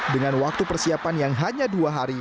dengan waktu persiapan yang hanya dua hari